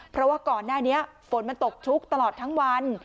เพราะว่าก่อนหน้านี้ฝนมันตกชุกตลอดทั้งวัน